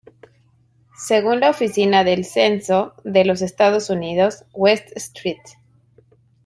Según la Oficina del Censo de los Estados Unidos, West St.